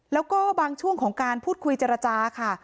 แล้วก็บางช่วงของการพูดคุยเจรจาค่ะ